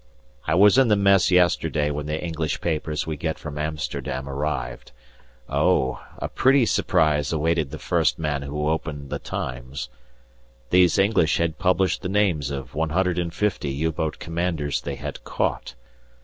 I was in the Mess yesterday when the English papers we get from Amsterdam arrived. Oh! a pretty surprise awaited the first man who opened The Times. These English had published the names of 150 U boat commanders they had caught.